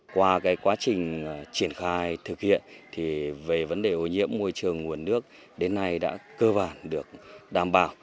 qua quá trình triển khai thực hiện thì về vấn đề ô nhiễm môi trường nguồn nước đến nay đã cơ bản được đảm bảo